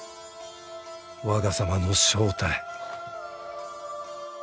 わが様の正体